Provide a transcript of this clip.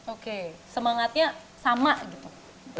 oke semangatnya sama gitu